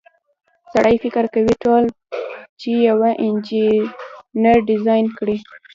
سړی فکر کوي ټول چې یوه انجنیر ډیزاین کړي.